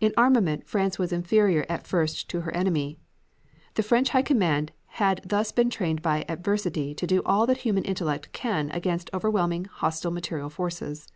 In armament, France was inferior at first to her enemy. The French High Command has thus been trained by adversity to do all that human intellect can against almost overwhelming hostile material forces.